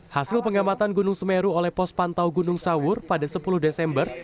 hasil pengamatan gunung semeru oleh pos pantau gunung sawur pada sepuluh desember